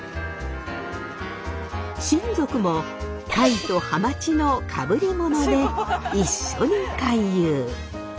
親族もタイとハマチのかぶりもので一緒に回遊。